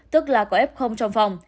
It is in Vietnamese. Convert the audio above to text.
tức là có f trong phòng